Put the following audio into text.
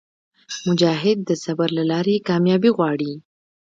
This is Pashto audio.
مجاهد د صبر له لارې کاميابي غواړي.